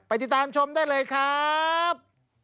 ติดตามชมได้เลยครับ